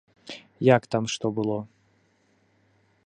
Як там што было.